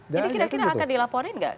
jadi kira kira akan dilaporin gak